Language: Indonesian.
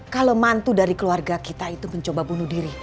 kalau mantu dari keluarga kita itu mencoba bunuh diri